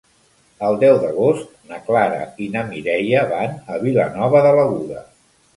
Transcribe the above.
El deu d'agost na Clara i na Mireia van a Vilanova de l'Aguda.